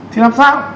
thì làm sao